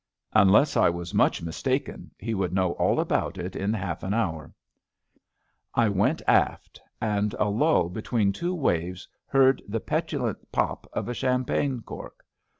Unless I was much mistaken, he would know all about it in half an hour. I went aft, and a lull between two waves heard the petulant pop of a champagne cork.